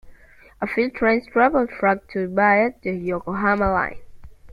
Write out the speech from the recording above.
A few trains travel through to via the Yokohama Line.